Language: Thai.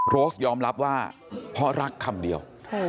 โรสยอมรับว่าเพราะรักคำเดียว